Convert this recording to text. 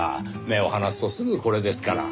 目を離すとすぐこれですから。